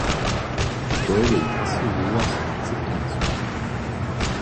To je jasny wuraz akceptancy.